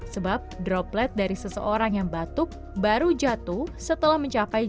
sebab droplet dari seseorang yang batuk baru jatuh setelah mencapai